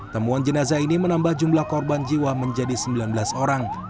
temuan jenazah ini menambah jumlah korban jiwa menjadi sembilan belas orang